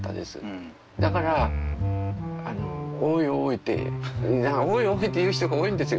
だから「おいおい」って言う人が多いんですよ。